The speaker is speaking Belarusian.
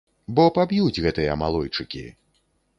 Бо паб'юць гэтыя малойчыкі.